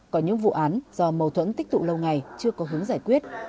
có những vụ án do mâu thuẫn tích tụ lâu ngày chưa có hướng giải quyết